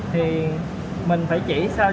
thì mình phải chỉ sao